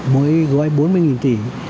mới gói bốn mươi tỷ